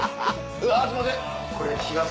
うわすいません。